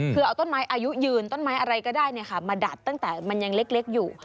คือเอาต้นไม้อายุยืนต้นไม้อะไรก็ได้มาดัดตั้งแต่มันยังเล็กอยู่